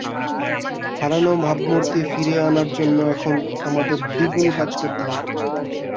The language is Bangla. হারানো ভাবমূর্তি ফিরিয়ে আনার জন্য এখন আমাদের দ্বিগুণ কাজ করতে হবে।